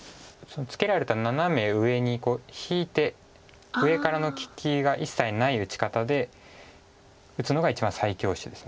ツケられたナナメ上に引いて上からの利きが一切ない打ち方で打つのが一番最強手です。